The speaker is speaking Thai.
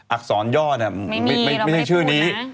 อักษรย่อเนี่ยไม่ใช่ชื่อนี้